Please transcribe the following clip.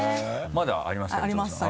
まだありますか？